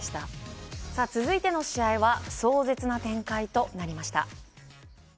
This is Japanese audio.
続いての試合は壮絶な展開となりました。